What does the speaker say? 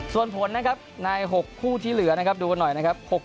ส่วนผลใน๖คู่ที่เหลือดูกันหน่อยนะครับ